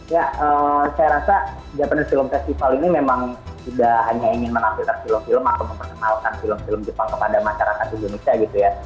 ya saya rasa japanese film festival ini memang tidak hanya ingin menampilkan film film atau memperkenalkan film film jepang kepada masyarakat indonesia gitu ya